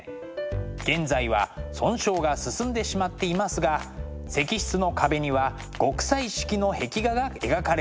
現在は損傷が進んでしまっていますが石室の壁には極彩色の壁画が描かれていました。